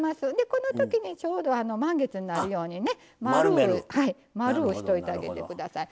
この時にちょうど満月になるようにね丸うしておいてあげて下さい。